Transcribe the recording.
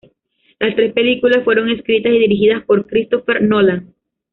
Las tres películas fueron escritas y dirigidas por Christopher Nolan.